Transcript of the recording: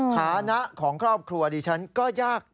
ฐานะของครอบครัวดิฉันก็ยาก